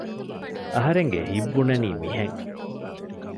އަހަރެންގެ ހިތް ބުނަނީ މިހެން